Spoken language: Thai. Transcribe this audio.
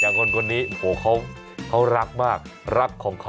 อย่างคนคนนี้โอ้โฮเขารักมาก